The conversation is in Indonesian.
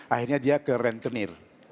akhirnya dia ke rentenir